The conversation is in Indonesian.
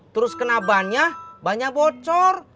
terus kena bannya banyak bocor